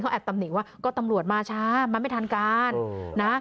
แอบตำหนิว่าก็ตำรวจมาช้ามันไม่ทันการนะ